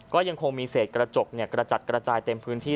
ก็ยังคงมีเศษกระจกกระจัดกระจายเต็มพื้นที่